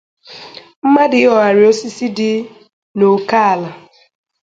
mmadụ ihogharị osisi dị n'ókè àlà